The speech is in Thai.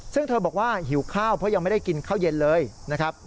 ซึ่งเธอบอกว่าหิวข้าวเพราะยังไม่ได้กินข้าวเย็นเลยนะครับ